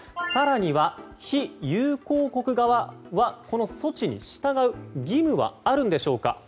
更には非友好国側はこの措置に従う義務はあるんでしょうか？